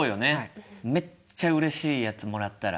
めっちゃうれしいやつもらったら。